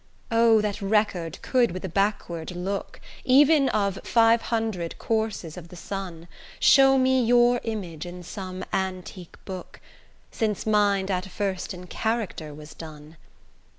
O! that record could with a backward look, Even of five hundred courses of the sun, Show me your image in some antique book, Since mind at first in character was done!